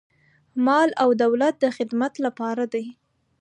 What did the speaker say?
مال او دولت د خدمت لپاره دی.